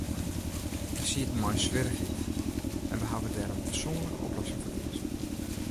Wy sieten mei in swierrichheid, en wy hawwe dêr in persoanlike oplossing foar keazen.